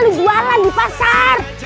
lu jualan di pasar